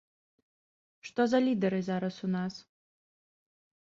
Што за лідары зараз у нас?